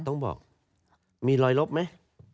ต้องบอกมีรอยลบมั้ย